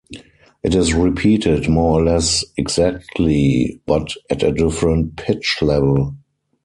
It is repeated more or less exactly, but at a different pitch level.